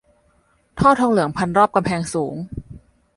ท่อทองเหลืองพันรอบกำแพงสูง